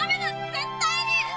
絶対に！